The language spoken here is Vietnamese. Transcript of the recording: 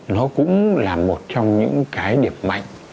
nó cũng là một trong những cái điểm mạnh